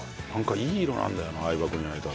なんかいい色なんだよな